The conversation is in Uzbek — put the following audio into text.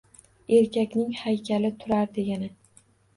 Erkakning haykali turardi yana